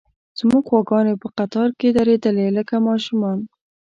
زموږ غواګانې په قطار کې درېدلې، لکه ماشومان.